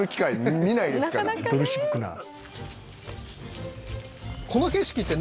ドルシックナー。